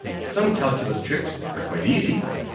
Some calculus tricks are quite easy.